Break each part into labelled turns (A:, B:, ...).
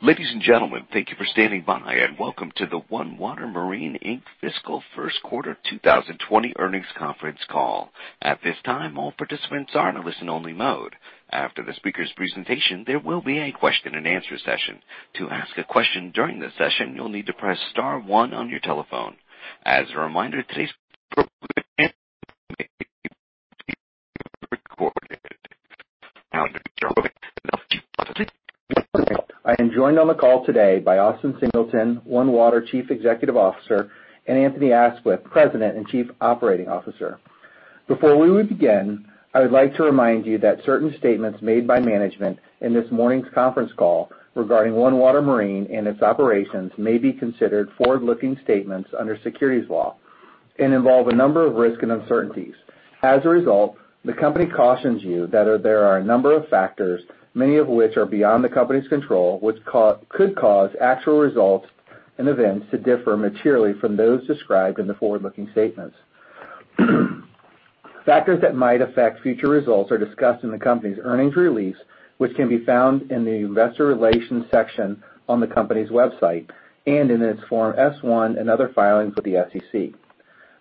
A: Ladies and gentlemen, thank you for standing by, and welcome to the OneWater Marine Inc. Fiscal Q1 2020 Earnings Conference Call. At this time, all participants are in a listen-only mode. After the speaker's presentation, there will be a question-and-answer session. To ask a question during the session, you'll need to press star one on your telephone. As a reminder, today's program is being recorded. Now, I'll turn it over to Jack Ezzell.
B: I am joined on the call today by Austin Singleton, OneWater Marine Chief Executive Officer, and Anthony Aisquith, President and Chief Operating Officer. Before we begin, I would like to remind you that certain statements made by management in this morning's conference call regarding OneWater Marine and its operations may be considered forward-looking statements under securities law and involve a number of risks and uncertainties. As a result, the company cautions you that there are a number of factors, many of which are beyond the company's control, which could cause actual results and events to differ materially from those described in the forward-looking statements. Factors that might affect future results are discussed in the company's earnings release, which can be found in the investor relations section on the company's website and in its Form S-1 and other filings with the SEC.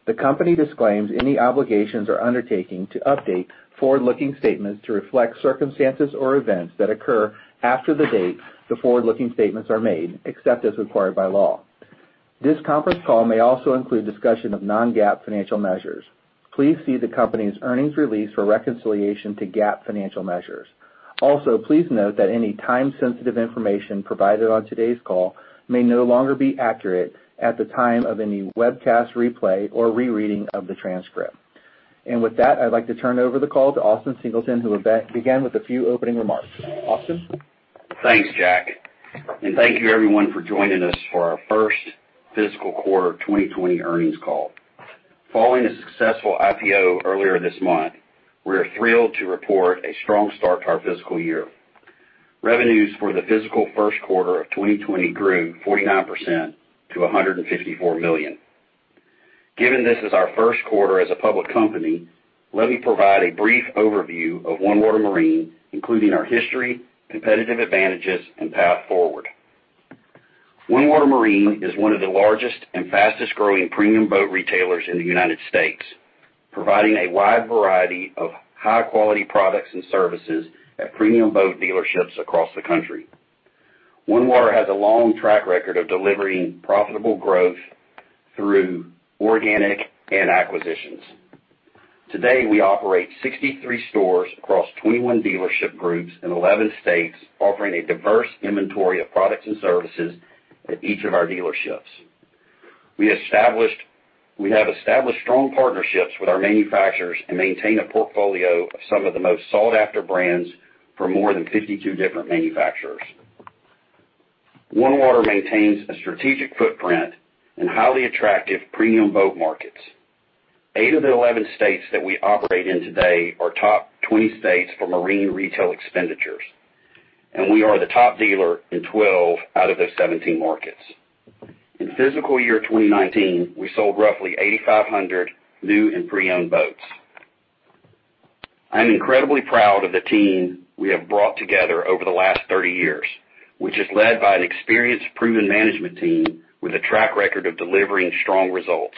B: The company disclaims any obligations or undertaking to update forward-looking statements to reflect circumstances or events that occur after the date the forward-looking statements are made, except as required by law. This conference call may also include discussion of non-GAAP financial measures. Please see the company's earnings release for reconciliation to GAAP financial measures. Please note that any time-sensitive information provided on today's call may no longer be accurate at the time of any webcast replay or rereading of the transcript. With that, I'd like to turn over the call to Austin Singleton, who will begin with a few opening remarks. Austin?
C: Thanks, Jack. Thank you, everyone, for joining us for our first fiscal quarter 2020 earnings call. Following a successful IPO earlier this month, we are thrilled to report a strong start to our fiscal year. Revenues for the fiscal Q1 of 2020 grew 49% to $154 million. Given this is our Q1 as a public company, let me provide a brief overview of OneWater Marine, including our history, competitive advantages, and path forward. OneWater Marine is one of the largest and fastest-growing premium boat retailers in the U.S., providing a wide variety of high-quality products and services at premium boat dealerships across the country. OneWater Marine has a long track record of delivering profitable growth through organic and acquisitions. Today, we operate 63 stores across 21 dealership groups in 11 states, offering a diverse inventory of products and services at each of our dealerships. We have established strong partnerships with our manufacturers and maintain a portfolio of some of the most sought-after brands for more than 52 different manufacturers. OneWater Marine maintains a strategic footprint in highly attractive premium boat markets. Eight of the 11 states that we operate in today are top 20 states for marine retail expenditures, and we are the top dealer in 12 out of those 17 markets. In fiscal year 2019, we sold roughly 8,500 new and pre-owned boats. I'm incredibly proud of the team we have brought together over the last 30 years, which is led by an experienced, proven management team with a track record of delivering strong results.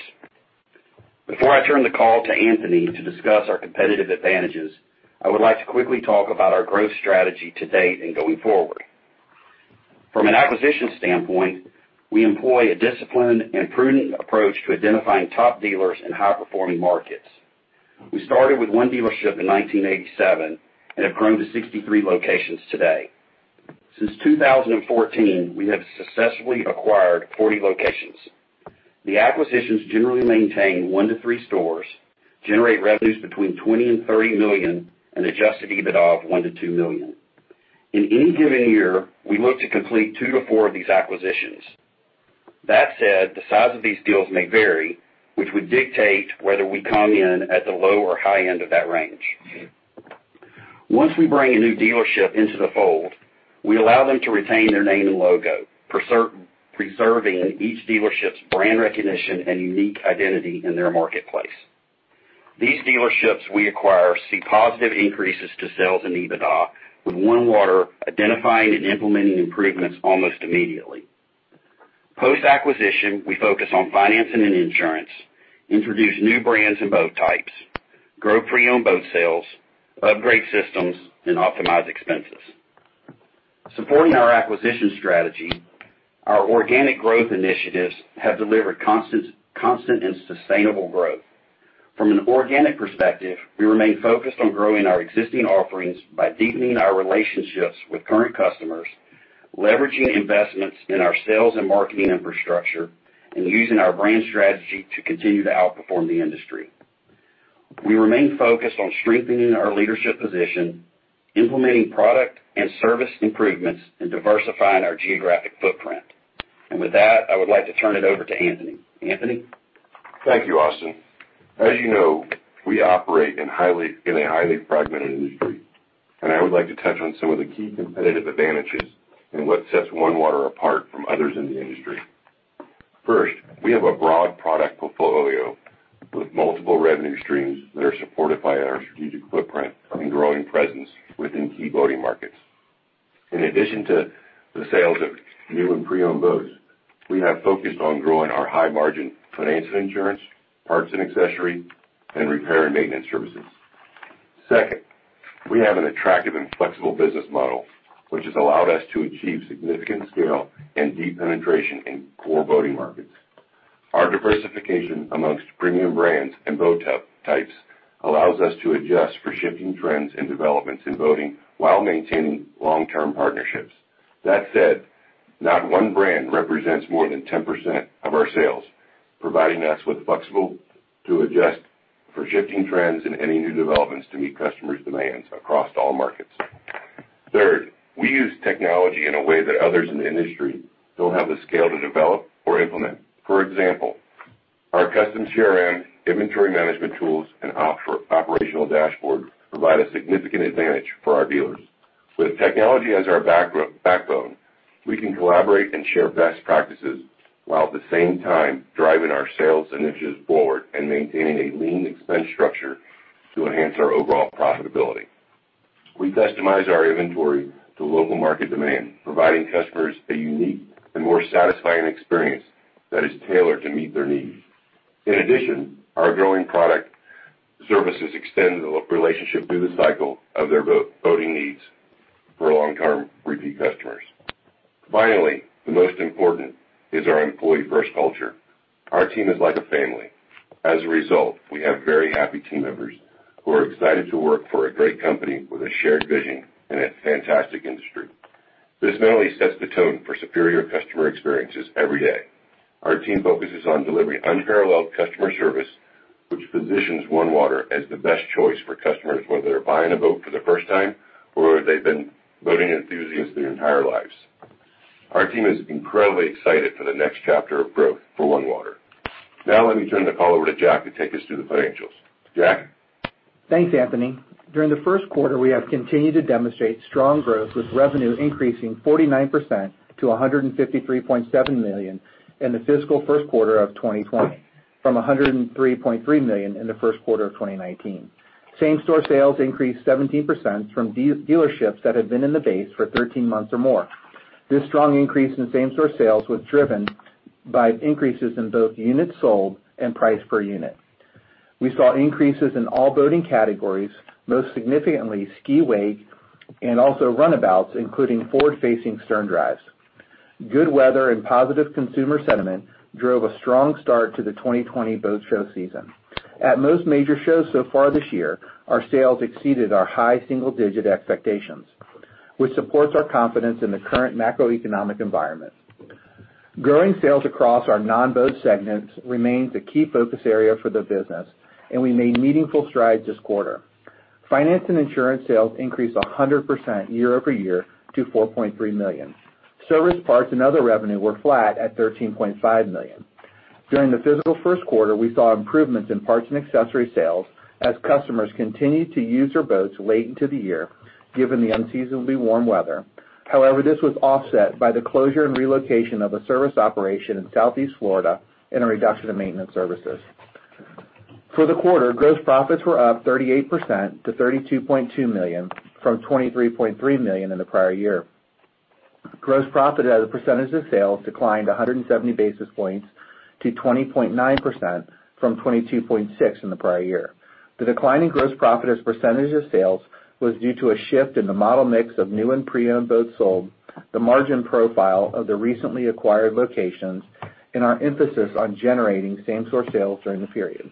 C: Before I turn the call to Anthony to discuss our competitive advantages, I would like to quickly talk about our growth strategy to-date and going forward. From an acquisition standpoint, we employ a disciplined and prudent approach to identifying top dealers in high-performing markets. We started with one dealership in 1987 and have grown to 63 locations today. Since 2014, we have successfully acquired 40 locations. The acquisitions generally maintain one to three stores, generate revenues between $20 million and $30 million, and adjust to EBITDA of $1 million-$2 million. In any given year, we look to complete two to four of these acquisitions. The size of these deals may vary, which would dictate whether we come in at the low or high end of that range. Once we bring a new dealership into the fold, we allow them to retain their name and logo, preserving each dealership's brand recognition and unique identity in their marketplace. These dealerships we acquire see positive increases to sales and EBITDA, with OneWater Marine identifying and implementing improvements almost immediately. Post-acquisition, we focus on financing and insurance, introduce new brands and boat types, grow pre-owned boat sales, upgrade systems, and optimize expenses. Supporting our acquisition strategy, our organic growth initiatives have delivered constant and sustainable growth. From an organic perspective, we remain focused on growing our existing offerings by deepening our relationships with current customers, leveraging investments in our sales and marketing infrastructure, and using our brand strategy to continue to outperform the industry. We remain focused on strengthening our leadership position, implementing product and service improvements, and diversifying our geographic footprint. With that, I would like to turn it over to Anthony. Anthony?
D: Thank you, Austin. As you know, we operate in a highly fragmented industry, and I would like to touch on some of the key competitive advantages and what sets OneWater Marine apart from others in the industry. First, we have a broad product portfolio with multiple revenue streams that are supported by our strategic footprint and growing presence within key boating markets. In addition to the sales of new and pre-owned boats, we have focused on growing our high-margin finance and insurance, parts and accessories, and repair and maintenance services. Second, we have an attractive and flexible business model, which has allowed us to achieve significant scale and deep penetration in core boating markets. Our diversification amongst premium brands and boat types allows us to adjust for shifting trends and developments in boating while maintaining long-term partnerships. That said, not one brand represents more than 10% of our sales, providing us with flexible to adjust for shifting trends and any new developments to meet customers' demands across all markets. Third, we use technology in a way that others in the industry don't have the scale to develop or implement. For example, our custom CRM, inventory management tools, and operational dashboard provide a significant advantage for our dealers. With technology as our backbone, we can collaborate and share best practices, while at the same time driving our sales initiatives forward and maintaining a lean expense structure to enhance our overall profitability. We customize our inventory to local market demand, providing customers a unique and more satisfying experience that is tailored to meet their needs. In addition, our growing product services extend the relationship through the cycle of their boating needs for long-term repeat customers. Finally, the most important is our employee-first culture. Our team is like a family. As a result, we have very happy team members who are excited to work for a great company with a shared vision in a fantastic industry. This not only sets the tone for superior customer experiences every day. Our team focuses on delivering unparalleled customer service, which positions OneWater Marine as the best choice for customers, whether they're buying a boat for the first time or they've been boating enthusiasts their entire lives. Our team is incredibly excited for the next chapter of growth for OneWater Marine. Now let me turn the call over to Jack to take us through the financials. Jack?
B: Thanks, Anthony Aisquith. During the Q1, we have continued to demonstrate strong growth, with revenue increasing 49% to $153.7 million in the fiscal Q1 of 2020 from $103.3 million in the Q1 of 2019. Same-store sales increased 17% from dealerships that had been in the base for 13 months or more. This strong increase in same-store sales was driven by increases in both units sold and price per unit. We saw increases in all boating categories, most significantly ski wake and also runabouts, including forward-facing stern drives. Good weather and positive consumer sentiment drove a strong start to the 2020 boat show season. At most major shows so far this year, our sales exceeded our high single-digit expectations, which supports our confidence in the current macroeconomic environment. Growing sales across our non-boat segments remains a key focus area for the business, and we made meaningful strides this quarter. Finance and insurance sales increased 100% year-over-year to $4.3 million. Service, parts, and other revenue were flat at $13.5 million. During the fiscal Q1, we saw improvements in parts and accessory sales as customers continued to use their boats late into the year, given the unseasonably warm weather. This was offset by the closure and relocation of a service operation in Southeast Florida and a reduction in maintenance services. For the quarter, gross profits were up 38% to $32.2 million from $23.3 million in the prior year. Gross profit as a percentage of sales declined 170 basis points to 20.9% from 22.6% in the prior year. The decline in gross profit as a percentage of sales was due to a shift in the model mix of new and pre-owned boats sold, the margin profile of the recently acquired locations, and our emphasis on generating same-store sales during the period.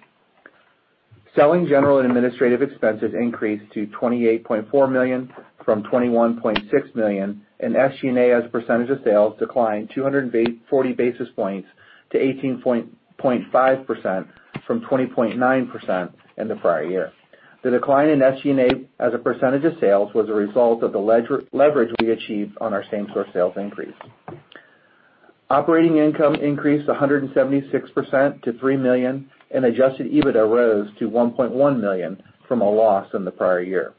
B: Selling, general, and administrative expenses increased to $28.4 million from $21.6 million, and SG&A as a percentage of sales declined 240 basis points to 18.5% from 20.9% in the prior year. The decline in SG&A as a percentage of sales was a result of the leverage we achieved on our same-store sales increase. Operating income increased 176% to $3 million, and adjusted EBITDA rose to $1.1 million from a loss in the prior year,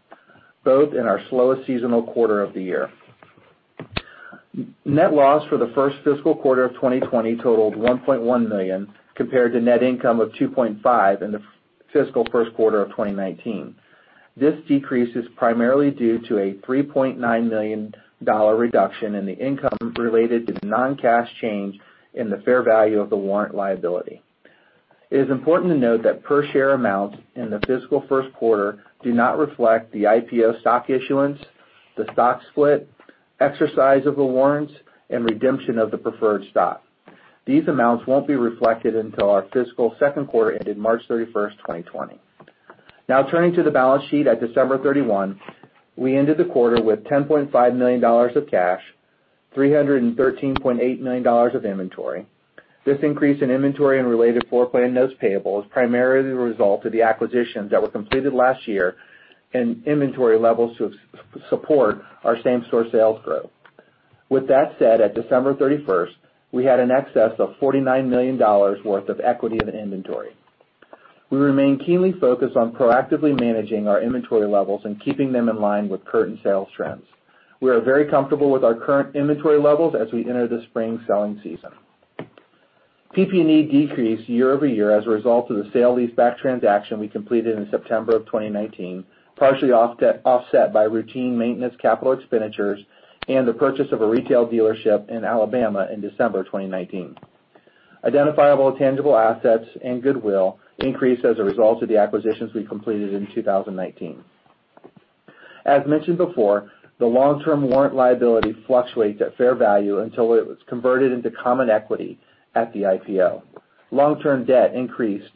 B: both in our slowest seasonal quarter of the year. Net loss for the first fiscal quarter of 2020 totaled $1.1 million, compared to net income of $2.5 in the fiscal Q1 of 2019. This decrease is primarily due to a $3.9 million reduction in the income related to the non-cash change in the fair value of the warrant liability. It is important to note that per-share amounts in the fiscal Q1 do not reflect the IPO stock issuance, the stock split, exercise of the warrants, and redemption of the preferred stock. These amounts won't be reflected until our fiscal Q2 ended March 31st, 2020. Now, turning to the balance sheet at December 31, we ended the quarter with $10.5 million of cash, $313.8 million of inventory. This increase in inventory and related floorplan notes payable is primarily the result of the acquisitions that were completed last year and inventory levels to support our same-store sales growth. With that said, at December 31st, we had an excess of $49 million worth of equity in the inventory. We remain keenly focused on proactively managing our inventory levels and keeping them in line with current sales trends. We are very comfortable with our current inventory levels as we enter the spring selling season. PP&E decreased year-over-year as a result of the sale leaseback transaction we completed in September of 2019, partially offset by routine maintenance capital expenditures and the purchase of a retail dealership in Alabama in December 2019. Identifiable tangible assets and goodwill increased as a result of the acquisitions we completed in 2019. As mentioned before, the long-term warrant liability fluctuates at fair value until it was converted into common equity at the IPO. Long-term debt increased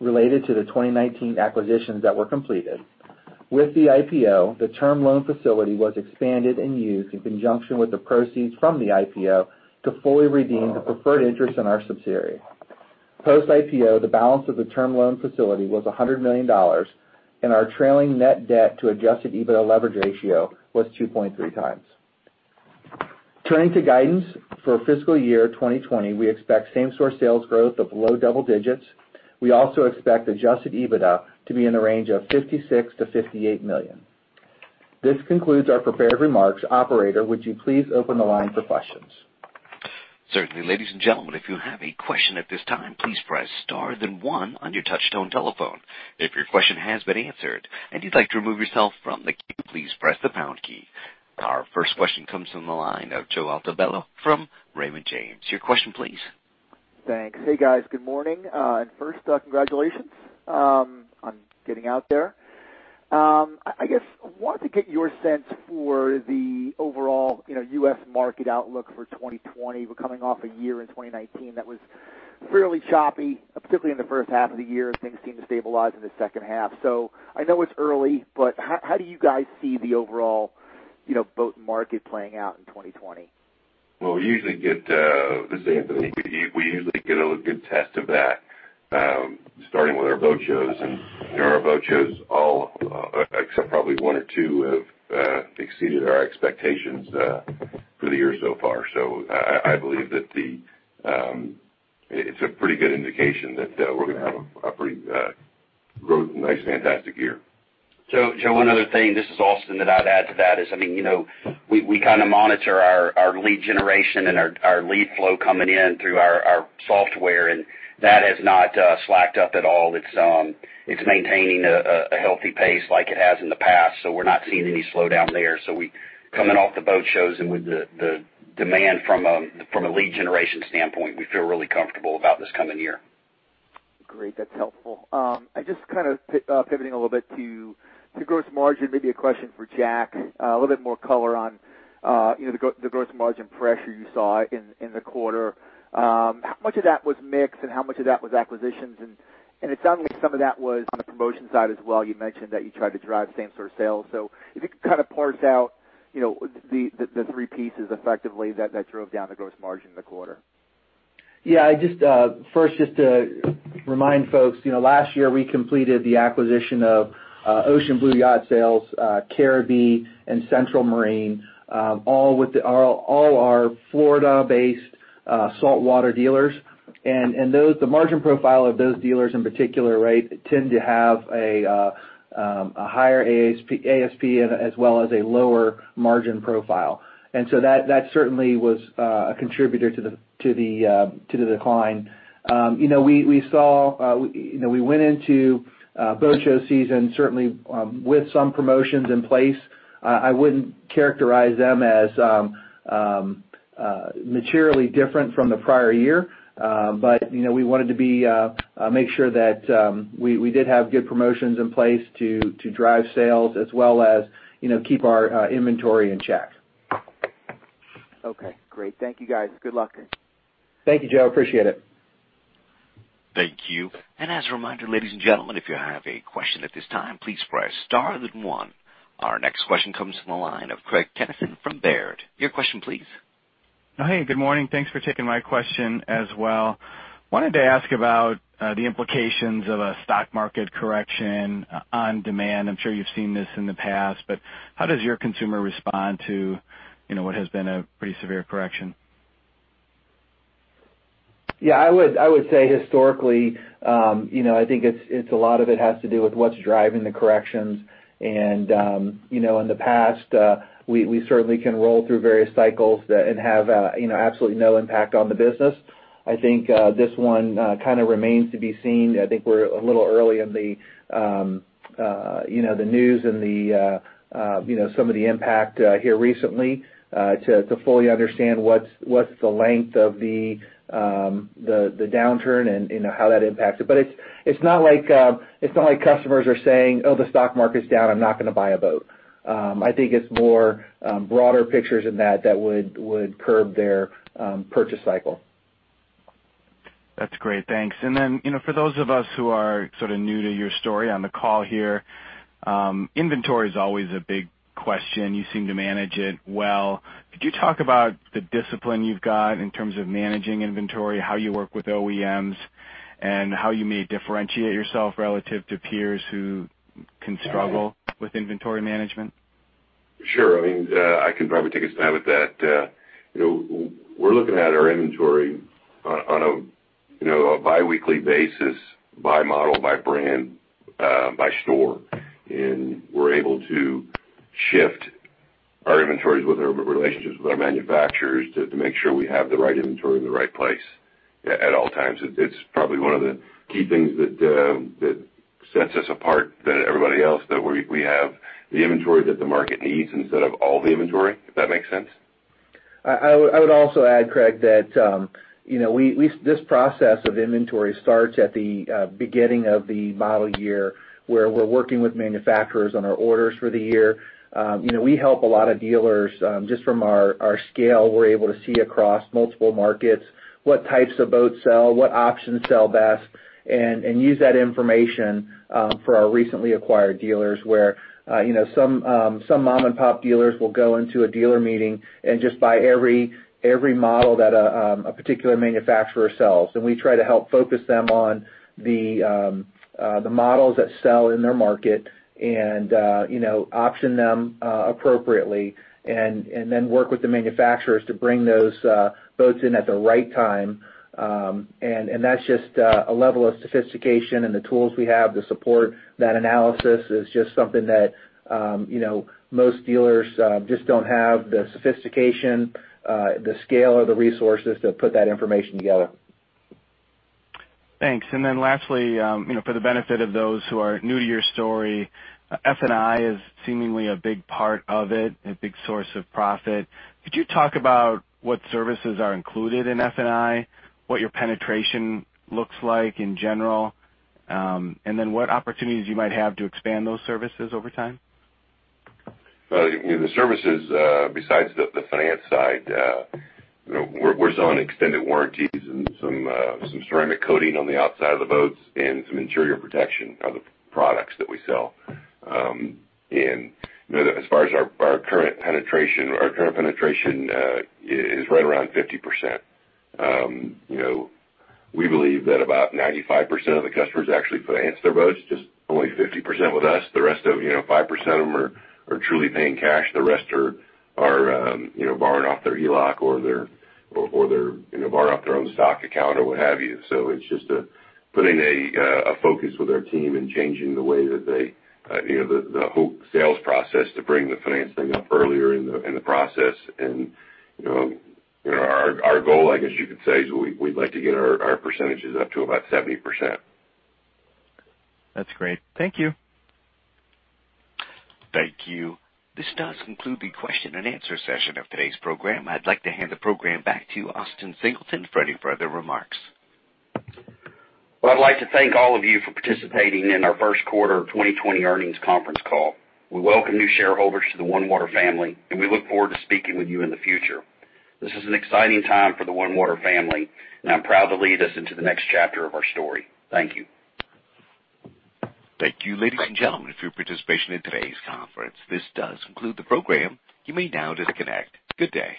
B: related to the 2019 acquisitions that were completed. With the IPO, the term loan facility was expanded and used in conjunction with the proceeds from the IPO to fully redeem the preferred interest in our subsidiary. Post IPO, the balance of the term loan facility was $100 million, and our trailing net debt to adjusted EBITDA leverage ratio was 2.3x. Turning to guidance for fiscal year 2020, we expect same-store sales growth of low double digits. We also expect adjusted EBITDA to be in the range of $56 million-$58 million. This concludes our prepared remarks. Operator, would you please open the line for questions?
A: Certainly. Ladies and gentlemen, if you have a question at this time, please press star then one on your touch-tone telephone. If your question has been answered and you'd like to remove yourself from the queue, please press the pound key. Our first question comes from the line of Joseph Altobello from Raymond James. Your question please.
E: Thanks. Hey, guys. Good morning. First, congratulations on getting out there. I guess I wanted to get your sense for the overall U.S. market outlook for 2020. We're coming off a year in 2019 that was fairly choppy, particularly in the H1 of the year. Things seemed to stabilize in the H2. I know it's early, but how do you guys see the overall boat market playing out in 2020?
D: Well, this is Anthony. We usually get a good test of that starting with our boat shows. Our boat shows, all except probably one or two, have exceeded our expectations for the year so far. I believe that it's a pretty good indication that we're going to have a fantastic year.
C: Joseph, one other thing, this is Austin, that I'd add to that is, we kind of monitor our lead generation and our lead flow coming in through our software, and that has not slacked up at all. It's maintaining a healthy pace like it has in the past. We're not seeing any slowdown there. Coming off the boat shows and with the demand from a lead generation standpoint, we feel really comfortable about this coming year.
E: Great. That's helpful. Just kind of pivoting a little bit to gross margin, maybe a question for Jack. A little bit more color on the gross margin pressure you saw in the quarter. How much of that was mix, and how much of that was acquisitions? It sounds like some of that was on the promotion side as well. You mentioned that you tried to drive same sort of sales. If you could kind of parse out the three pieces effectively that drove down the gross margin in the quarter.
B: First, just to remind folks, last year, we completed the acquisition of Ocean Blue Yacht Sales, Caribee, and Central Marine, all our Florida-based saltwater dealers. The margin profile of those dealers in particular tend to have a higher ASP as well as a lower margin profile. That certainly was a contributor to the decline. We went into boat show season certainly with some promotions in place. I wouldn't characterize them as materially different from the prior year. We wanted to make sure that we did have good promotions in place to drive sales as well as keep our inventory in check.
E: Okay, great. Thank you, guys. Good luck.
B: Thank you, Joseph. Appreciate it.
A: Thank you. As a reminder, ladies and gentlemen, if you have a question at this time, please press star then one. Our next question comes from the line of Craig Kennison from Baird. Your question please.
F: Hey, good morning. Thanks for taking my question as well. I wanted to ask about the implications of a stock market correction on demand. I'm sure you've seen this in the past. How does your consumer respond to what has been a pretty severe correction?
B: Yeah, I would say historically, I think a lot of it has to do with what's driving the corrections. In the past, we certainly can roll through various cycles and have absolutely no impact on the business. I think this one kind of remains to be seen. I think we're a little early in the news and some of the impact here recently to fully understand what's the length of the downturn and how that impacted. It's not like customers are saying, "Oh, the stock market's down. I'm not going to buy a boat." I think it's more broader pictures than that that would curb their purchase cycle.
F: That's great. Thanks. Then, for those of us who are sort of new to your story on the call here, inventory is always a big question. You seem to manage it well. Could you talk about the discipline you've got in terms of managing inventory, how you work with OEMs, and how you may differentiate yourself relative to peers who can struggle with inventory management?
D: Sure. I can probably take a stab at that. We're looking at our inventory on a biweekly basis by model, by brand, by store. We're able to shift our inventories with our relationships with our manufacturers to make sure we have the right inventory in the right place at all times. It's probably one of the key things that sets us apart than everybody else, that we have the inventory that the market needs instead of all the inventory, if that makes sense.
B: I would also add, Craig, that this process of inventory starts at the beginning of the model year, where we're working with manufacturers on our orders for the year. We help a lot of dealers. Just from our scale, we're able to see across multiple markets what types of boats sell, what options sell best, and use that information for our recently acquired dealers, where some mom-and-pop dealers will go into a dealer meeting and just buy every model that a particular manufacturer sells. We try to help focus them on the models that sell in their market and option them appropriately and then work with the manufacturers to bring those boats in at the right time. That's just a level of sophistication and the tools we have to support that analysis is just something that most dealers just don't have the sophistication, the scale, or the resources to put that information together.
F: Thanks. Lastly, for the benefit of those who are new to your story, F&I is seemingly a big part of it and a big source of profit. Could you talk about what services are included in F&I, what your penetration looks like in general, and then what opportunities you might have to expand those services over time?
D: The services, besides the finance side, we're selling extended warranties and some ceramic coating on the outside of the boats and some interior protection on the products that we sell. As far as our current penetration, our current penetration is right around 50%. We believe that about 95% of the customers actually finance their boats, just only 50% with us. 5% of them are truly paying cash. The rest are borrowing off their HELOC or they borrow off their own stock account or what have you. It's just putting a focus with our team and changing the way that the whole sales process to bring the financing up earlier in the process. Our goal, I guess you could say, is we'd like to get our percentages up to about 70%.
F: That's great. Thank you.
A: Thank you. This does conclude the question-and-answer session of today's program. I'd like to hand the program back to Austin Singleton for any further remarks.
C: Well, I'd like to thank all of you for participating in our Q1 2020 earnings conference call. We welcome new shareholders to the OneWater Marine family, and we look forward to speaking with you in the future. This is an exciting time for the OneWater Marine family, and I'm proud to lead us into the next chapter of our story. Thank you.
A: Thank you, ladies and gentlemen, for your participation in today's conference. This does conclude the program. You may now disconnect. Good day.